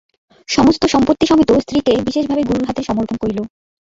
সমস্ত সম্পত্তি-সমেত স্ত্রীকে বিশেষভাবে গুরুর হাতে সমর্পণ করিল।